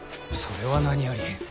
それは何より。